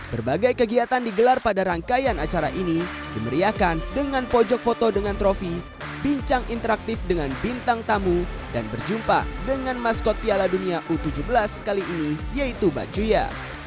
berbagai kegiatan digelar pada rangkaian acara ini dimeriahkan dengan pojok foto dengan trofi bincang interaktif dengan bintang tamu dan berjumpa dengan maskot piala dunia u tujuh belas kali ini yaitu bacuya